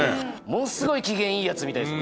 ものすごい機嫌いいやつみたいです。